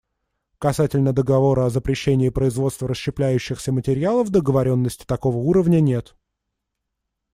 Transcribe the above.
Касательно договора о запрещении производства расщепляющихся материалов договоренности такого уровня нет.